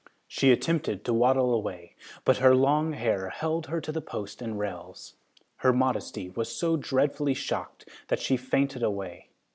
She attempted to waddle away, but her long hair held her to the post and rails. Her modesty was so dreadfully shocked that she fainted away.